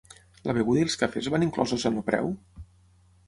La beguda i els cafès van inclosos en el preu?